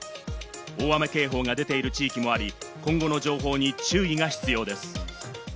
大雨警報が出ている地域もあり、今後の情報に注意が必要です。